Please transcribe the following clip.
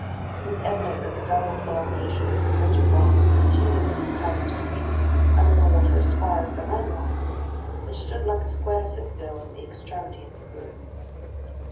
It was evident that the double prolongation of the ridge of rocks continued the kind of street under the water as far as "The Man Rock," which stood like a square citadel at the extremity of the group.